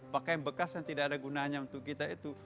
pakaian bekas yang tidak ada gunanya untuk kita itu